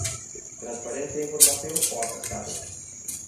Transparencia e información ao afectado.